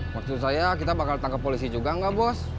maksud saya kita bakal ditangkep polisi juga enggak bos